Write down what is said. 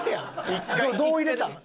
どどう入れたん？